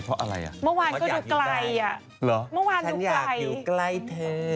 เพราะอะไรอ่ะเมื่อวานก็อยู่ไกลอ่ะเหรอเมื่อวานอยู่ไกลฉันอยากอยู่ไกลเธอ